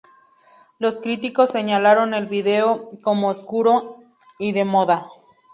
Los críticos señalaron el video como oscuro y de moda.